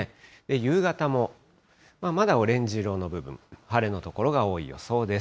夕方も、まだオレンジ色の部分、晴れの所が多い予想です。